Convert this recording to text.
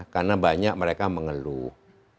karena banyak mereka mengeluh